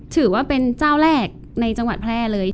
ถือว่าเป็นเจ้าแรกในจังหวัดแพร่เลย